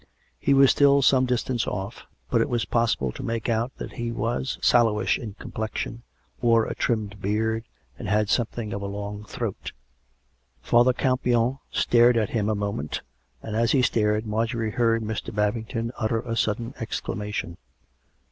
He was still some distance off; but it was possible to make out that he was sallowish in complexion, wore a trimmed beard, and had something of a long throat. Father Campion stared at him a moment, and, as he stared, Marjorie heard Mr. Babington utter a sudden ex clamation.